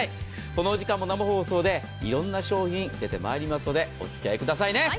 この時間も、いろんな商品出てまいりますのでお付き合いくださいね。